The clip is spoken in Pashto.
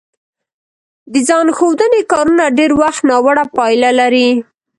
د ځان ښودنې کارونه ډېری وخت ناوړه پایله لري